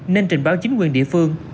nên trình báo chính quyền địa phương